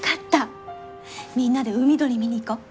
みんなで海鳥見に行こう！